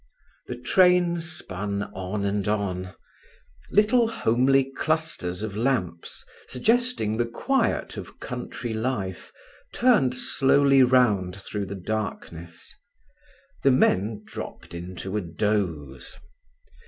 The train spun on and on. Little homely clusters of lamps, suggesting the quiet of country life, turned slowly round through the darkness. The men dropped into a doze.